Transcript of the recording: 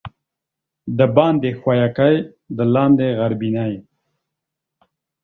دباندي ښويکى، د لاندي غربينى.